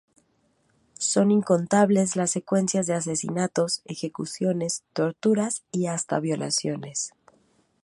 Son incontables las secuencias de asesinatos, ejecuciones, torturas y hasta violaciones.